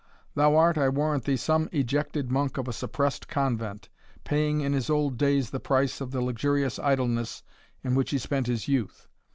Thou art, I warrant thee, some ejected monk of a suppressed convent, paying in his old days the price of the luxurious idleness in which he spent his youth.